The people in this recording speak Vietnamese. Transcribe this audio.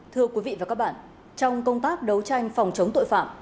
thưa quý vị và các bạn trong công tác đấu tranh phòng chống tội phạm